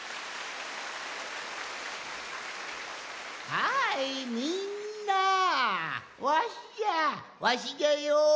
はいみんなわしじゃわしじゃよ。